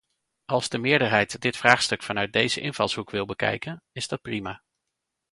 Als de meerderheid dit vraagstuk vanuit deze invalshoek wil bekijken, is dat prima.